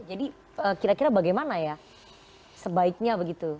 kira kira bagaimana ya sebaiknya begitu